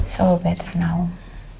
jadi lebih baik sekarang